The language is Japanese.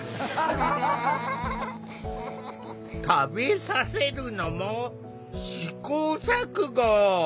食べさせるのも試行錯誤。